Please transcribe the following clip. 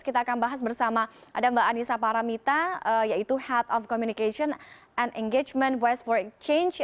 kita akan bahas bersama ada mbak anissa paramita yaitu head of communication and engagement west board change